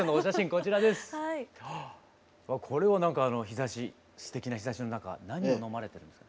これはなんかすてきな日ざしの中何を飲まれてるんですか？